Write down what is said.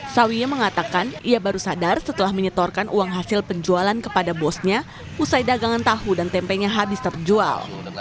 sawie mengatakan ia baru sadar setelah menyetorkan uang hasil penjualan kepada bosnya usai dagangan tahu dan tempenya habis terjual